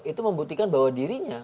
itu membuktikan bahwa dirinya